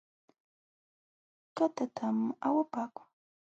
Katatam awapaakun .